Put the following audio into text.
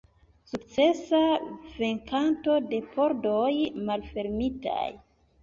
Sukcesa venkanto de pordoj malfermitaj.